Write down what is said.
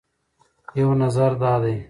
یو نظر دا دی